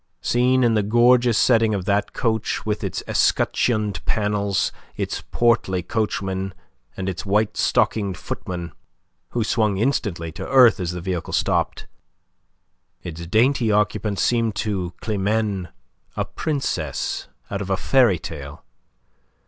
Seen in the gorgeous setting of that coach with its escutcheoned panels, its portly coachman and its white stockinged footman who swung instantly to earth as the vehicle stopped its dainty occupant seemed to Climene a princess out of a fairy tale.